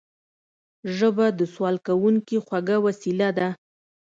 ژبه د سوال کوونکي خوږه وسيله ده